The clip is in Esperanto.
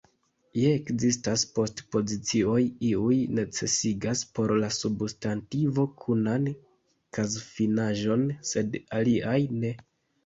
Ja ekzistas post-pozicioj; iuj necesigas por la substantivo kunan kazfinaĵon, sed aliaj ne.